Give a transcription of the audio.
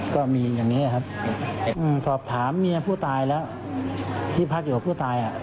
ก็มีอย่างนี้ครับสอบถามเมียผู้ตายแล้วที่พักอยู่กับผู้ตายอ่ะ